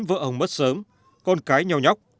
ông mất sớm con cái nhau nhóc